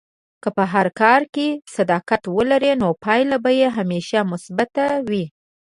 که په هر کار کې صداقت ولرې، نو پایلې به همیشه مثبتې وي.